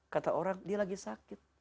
kata orang dia lagi sakit